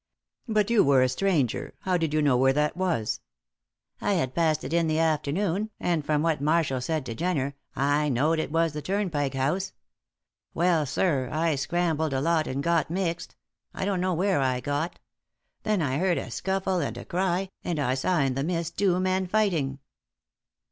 "But you were a stranger! How did you know where that was?" "I had passed it in the afternoon, and from what Marshall said to Jenner, I know'd it was the Turnpike House. Well, sir, I scrambled a lot, and got mixed I don't know where I got. Then I heard a scuffle and a cry, and saw in the mist two men fighting."